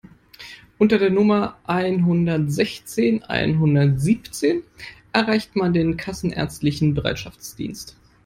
Unter der Nummer einhundertsechzehn einhundertsiebzehn erreicht man den kassenärztlichen Bereitschaftsdienst.